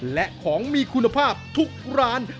และของมีคุณภาพทุกร้าน